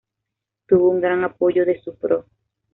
Tuvo un gran apoyo de su Pro.